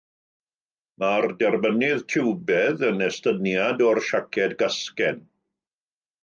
Mae'r derbynnydd tiwbaidd yn estyniad o'r siaced gasgen.